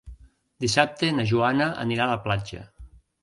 Dissabte na Joana anirà a la platja.